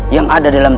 yang ada di dalamnya